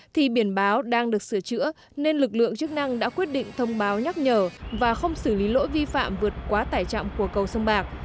thì biển báo đang được sửa chữa nên lực lượng chức năng đã quyết định thông báo nhắc nhở và không xử lý lỗi vi phạm vượt quá tải trọng của cầu sông bạc